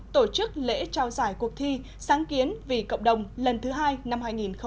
tổ chức lễ trao giải cuộc thi sáng kiến vì cộng đồng lần thứ hai năm hai nghìn hai mươi